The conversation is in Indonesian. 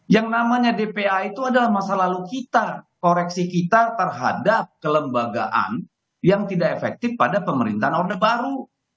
yang namanya dpa itu adalah masa lalu kita koreksi kita terhadap kelembagaan yang tidak efektif pada pemerintahan orde baru